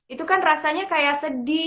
itu kan rasanya kayak sedih